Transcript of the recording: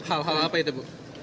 hal hal apa itu bu